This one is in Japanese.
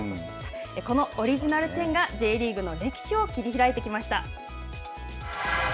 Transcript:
このオリジナル１０が、Ｊリーグの歴史を切り開いてきました。